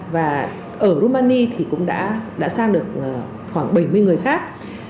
và ở rumani thì cũng đã sang được khoảng bảy mươi người khác